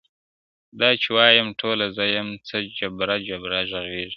دا چي وایې ټوله زه یم څه جبره جبره ږغېږې،